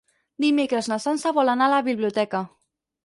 Dimecres na Sança vol anar a la biblioteca.